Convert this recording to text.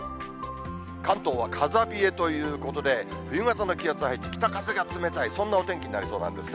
関東は風冷えということで、冬型の気圧配置、北風が冷たい、そんなお天気になりそうなんですね。